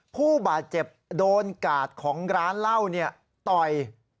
ผู้บาดเจ็บโดนกาดของร้านเหล้าต่อย